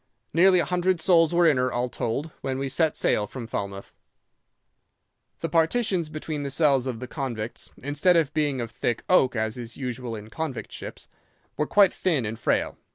Nearly a hundred souls were in her, all told, when we set sail from Falmouth. "'The partitions between the cells of the convicts, instead of being of thick oak, as is usual in convict ships, were quite thin and frail.